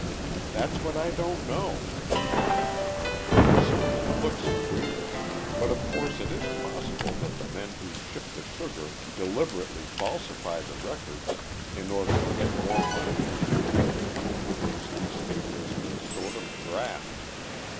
"That's what I don't know," she admitted. "It certainly looks queer, but of course it is possible that the men who ship the sugar deliberately falsify the records in order to get more money and that the company pays these statements as a sort of graft.